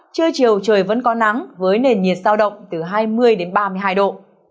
trưa chiều trời vẫn có nắng với nền nhiệt sao động từ hai mươi đến ba mươi hai độ